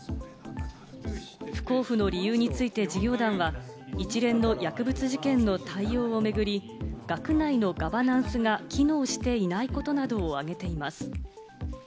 不交付の理由について事業団は一連の薬物事件の対応を巡り、学内のガバナンスが機能していないことなどを挙げています。